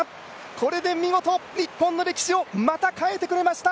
これで見事、日本の歴史をまた変えてくれました。